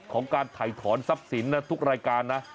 ของการถ่ายถอนทรัพย์สินทุกรายการนะ